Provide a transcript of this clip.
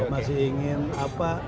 masih ingin apa